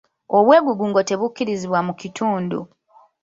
Obwegugungo tebukkirizibwa mu kitundu.